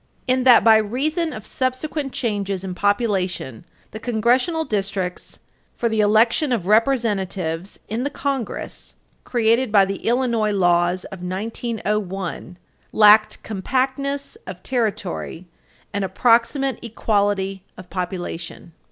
§ 2a, in that, by reason of subsequent changes in population, the Congressional districts for the election of Representatives in the Congress created by the Illinois Laws of 1901 (Ill.Rev.Stat.Ch. 46 (1945) § 154 56) lacked compactness of territory Page 328 U. S. 551 and approximate equality of population.